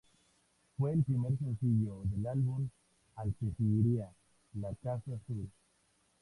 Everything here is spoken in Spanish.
Fue el primer sencillo del álbum, al que seguiría "La casa azul".